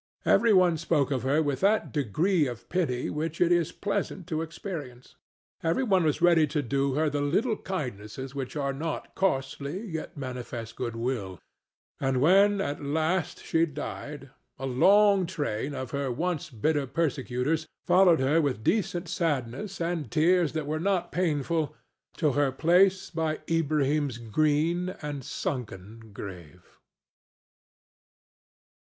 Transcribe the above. Every one spoke of her with that degree of pity which it is pleasant to experience; every one was ready to do her the little kindnesses which are not costly, yet manifest good will; and when at last she died, a long train of her once bitter persecutors followed her with decent sadness and tears that were not painful to her place by Ilbrahim's green and sunken grave.